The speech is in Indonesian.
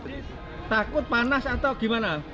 takut panas atau gimana